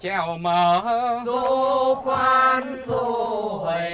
chèo mở dô khoan dô hầy